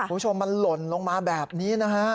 คุณผู้ชมมันหล่นลงมาแบบนี้นะฮะ